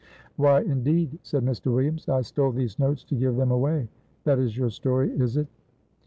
"Why, indeed?" said Mr. Williams. "I stole these notes to give them away that is your story, is it?"